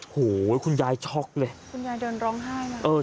โหคุณยายช็อกเลย